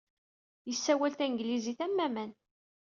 Yessawal tanglizit am waman.